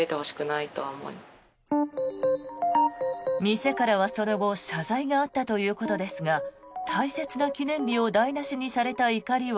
店からはその後謝罪があったということですが大切な記念日を台なしにされた怒りは